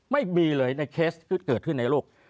ไม่มีเลยในเคสที่เกิดขึ้นในโลก